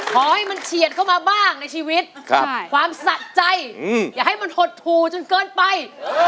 ขอให้มันเฉียดเข้ามาบ้างในชีวิตความสะใจอย่าให้มันหดหู่จนเกินไป